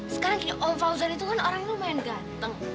sekarang kayaknya om fauzan itu kan orang lumayan ganteng